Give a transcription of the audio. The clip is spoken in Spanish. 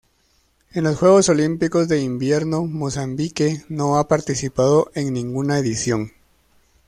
En los Juegos Olímpicos de Invierno Mozambique no ha participado en ninguna edición.